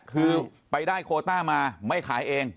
คือไปได้โคต้ามาไม่ขายเอง